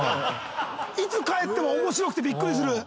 いつ帰っても面白くてびっくりする。